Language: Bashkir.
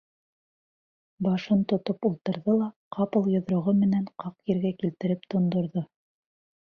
Башын тотоп ултырҙы ла ҡапыл йоҙроғо менән ҡаҡ ергә килтереп тондорҙо.